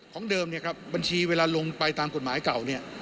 เดิมเนี่ยครับบัญชีเวลาลงไปตามกฎหมายเก่าเนี่ย